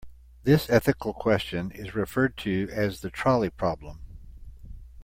This ethical question is referred to as the trolley problem.